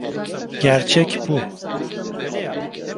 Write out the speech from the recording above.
Gerçek bu.